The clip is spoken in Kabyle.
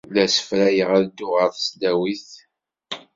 La ssefrayeɣ ad dduɣ ɣer tesdawit.